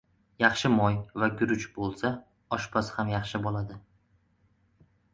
• Yaxshi moy va guruch bo‘lsa, oshpaz ham yaxshi bo‘ladi.